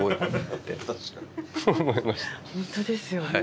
本当ですよね。